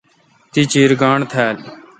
تی چیر گاݨڈ تھال۔